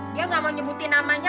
dia gak mau nyebutin namanya